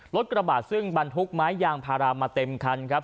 กระบาดซึ่งบรรทุกไม้ยางพารามาเต็มคันครับ